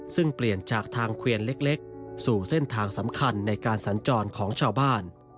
ซึ่งเปลี่ยนจากทางเกวียนเล็กสู่เส้นทางสำคัญในการสัญจรของชาวบ้าน